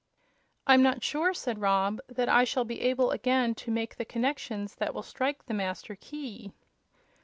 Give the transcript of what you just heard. "I'm not sure," said Rob, "that I shall be able again to make the connections that will strike the Master Key."